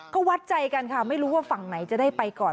ก็วัดใจกันค่ะไม่รู้ว่าฝั่งไหนจะได้ไปก่อน